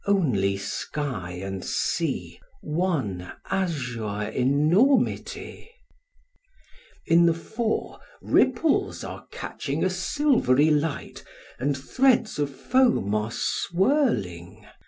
Only sky and sea,—one azure enormity... In the fore, ripples are catching a silvery light, and threads of foam are swirling.